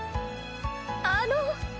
あの。